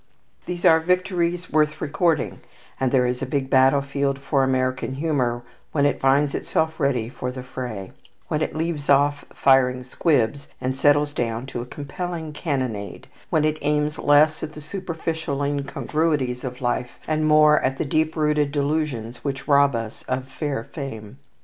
These are victories worth recording, and there is a big battlefield for American humour when it finds itself ready for the fray, when it leaves off firing squibs, and settles down to a compelling cannonade, when it aims less at the superficial incongruities of life, and more at the deep rooted delusions which rob us of fair fame.